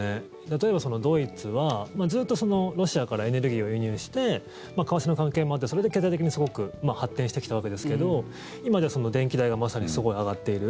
例えばドイツはずっとロシアからエネルギーを輸入して為替の関係もあってそれで経済的にすごく発展してきたわけですけど今じゃ電気代がまさにすごい上がっている。